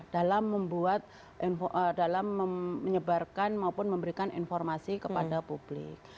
dalam membuat dalam menyebarkan maupun memberikan informasi kepada publik